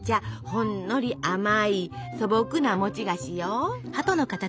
ほんのり甘い素朴な餅菓子よ。